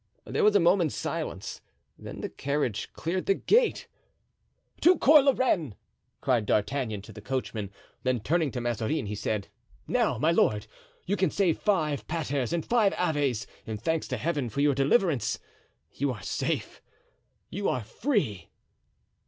There was a moment's silence, then the carriage cleared the gate. "To Cours la Reine!" cried D'Artagnan to the coachman; then turning to Mazarin he said, "Now, my lord, you can say five paters and five aves, in thanks to Heaven for your deliverance. You are safe—you are free."